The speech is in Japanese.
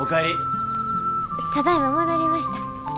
ただいま戻りました。